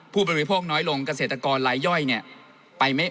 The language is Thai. ผู้ประโยชน์พวกน้อยลงกัษตรกรไร้ย่อยเนี่ย